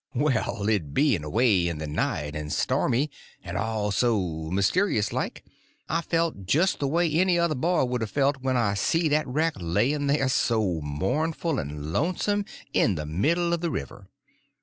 Well, it being away in the night and stormy, and all so mysterious like, I felt just the way any other boy would a felt when I see that wreck laying there so mournful and lonesome in the middle of the river.